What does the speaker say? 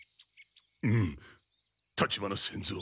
うむ立花仙蔵。